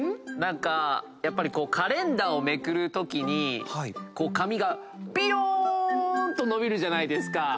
何かやっぱりカレンダーをめくるときに紙がピローンと伸びるじゃないですか。